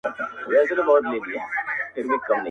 د شهیدانو هدیرې جوړي سي.!